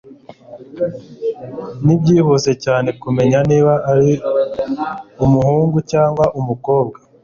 Nibyihuse cyane kumenya niba ari umuhungu cyangwa umukobwa.